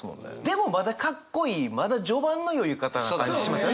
でもまだかっこいいまだ序盤の酔い方な感じしますよね！